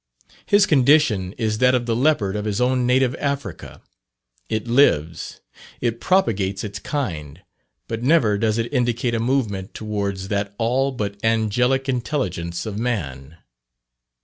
His condition is that of the leopard of his own native Africa. It lives, it propagates its kind; but never does it indicate a movement towards that all but angelic intelligence of man.